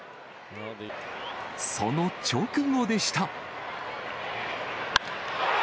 その直後でした。